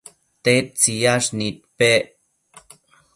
tedtsiyash nidpec